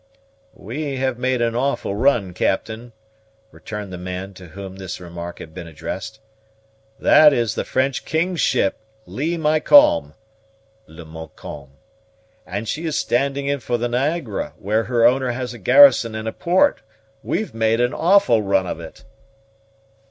"We have made an awful run, captain," returned the man to whom this remark had been addressed. "That is the French king's ship, Lee my calm (Le Montcalm), and she is standing in for the Niagara, where her owner has a garrison and a port. We've made an awful run of it!"